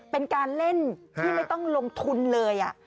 เป็นการเล่นที่ไม่ต้องลงทุนเลย